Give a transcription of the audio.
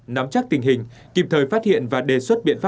nắm chắc tình hình kịp thời phát hiện và đề xuất biện pháp